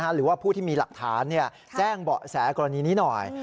หรือว่าผู้ที่มีหลักฐานแจ้งเบาะแสกรณีนี้หน่อย